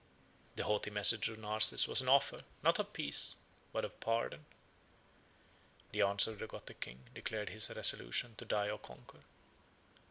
36 The haughty message of Narses was an offer, not of peace, but of pardon. The answer of the Gothic king declared his resolution to die or conquer.